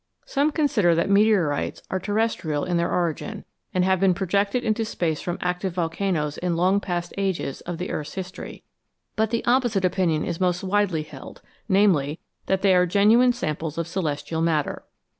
Some consider that meteorites are 204 CHEMISTRY OF THE STARS terrestrial in their origin, and have been projected into space from active volcanoes in long past ages of the earth's history ; but the opposite opinion is most widely held, namely, that they are genuine samples of celestial matter.